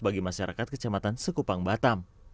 bagi masyarakat kecamatan sekupang batam